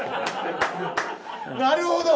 なるほど。